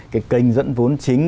cái kênh dẫn vốn chính